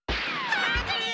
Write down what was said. ハングリー！